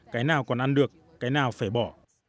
cái nào còn ăn được cái nào phải bỏ